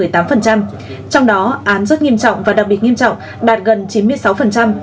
trong đó án rất nghiêm trọng và đặc biệt nghiêm trọng đạt gần chín mươi sáu